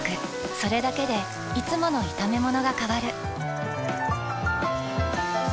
それだけでいつもの炒めものが変わる。